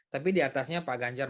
tapi di atasnya pak ganjar